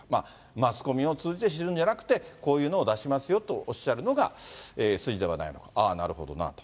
マスコミを通じて知るんではなくて、こういうのを出しますよとおっしゃるのが筋ではないのか、ああ、なるほどなと。